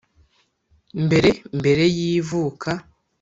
mbere mbere y ivuka